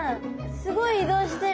すごい移動してる。